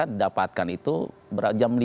menempatkan itu jam lima empat puluh lima